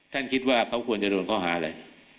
คิดว่าเขาควรจะโดนข้อหาอะไร